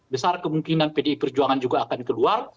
besar kemungkinan pdi perjuangan juga akan keluar